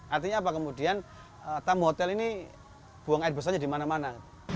artinya apa kemudian tamu hotel ini buang air besarnya di mana mana